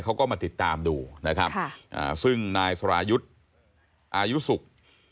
เขาก็มาติดตามดูนะครับซึ่งนายสรายุทธ์อายุสุข